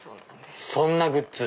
そんなグッズ。